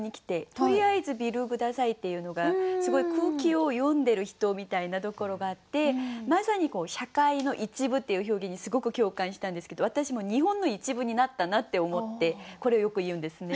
「とりあえずビール下さい」っていうのがすごい空気を読んでる人みたいなところがあってまさに「社会の一部」っていう表現にすごく共感したんですけど私も「日本の一部」になったなって思ってこれをよく言うんですね。